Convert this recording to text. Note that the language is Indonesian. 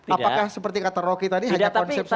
apakah seperti kata rocky tadi hanya konsep saja